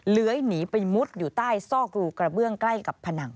เลื้อยหนีไปมุดอยู่ใต้ซอกรูกระเบื้องใกล้กับผนัง